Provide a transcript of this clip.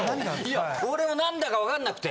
いや俺も何だかわかんなくて。